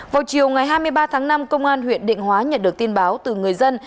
vào chiều ngày hai mươi ba tháng năm công an huyện định hóa nhận được tin báo từ người dân